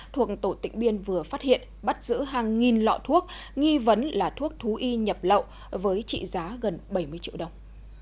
thuộc tổ tỉnh biên vừa phát hiện bắt giữ hàng nghìn lọ thuốc nghi vấn là thuốc thú y nhập lậu với trị giá gần bảy mươi triệu đồng